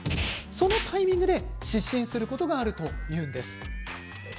そのタイミングで失神することがあるというんです。